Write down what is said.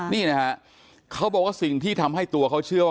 นี่นะฮะเขาบอกว่าสิ่งที่ทำให้ตัวเขาเชื่อว่า